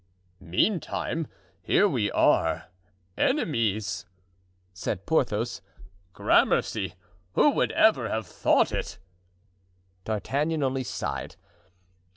"Meantime, here we are, enemies!" said Porthos. "Gramercy! who would ever have thought it?" D'Artagnan only sighed.